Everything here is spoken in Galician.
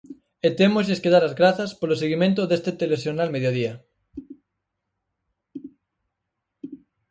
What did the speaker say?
E témoslles que dar as grazas polo seguimento deste Telexornal Mediodía.